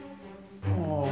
ああ。